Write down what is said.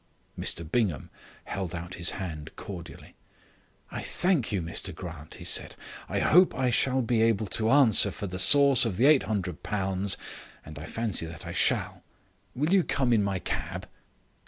Mr Bingham held out his hand cordially. "I thank you, Mr Grant," he said. "I hope I shall be able to answer for the source of the £800 and I fancy that I shall. Will you come in my cab?"